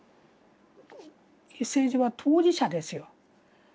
政治は当事者ですよ。